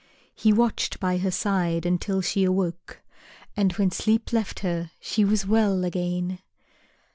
He watched by her side until she awoke, and when sleep left her she was well again.